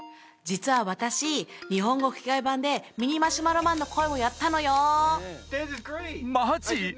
実は私日本語吹き替え版でミニ・マシュマロマンの声をやったのよマジ！？